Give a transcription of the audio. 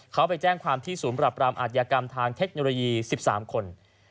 เขาไปแจ้งความที่ศูนย์ปรับรามอาทยากรรมทางเทคโนโลยี๑๓คน